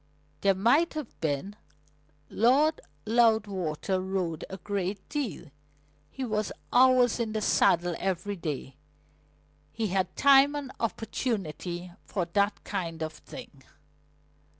"There might have been. Lord Loudwater rode a great deal. He was hours in the saddle every day. He had time and opportunity for that kind of thing."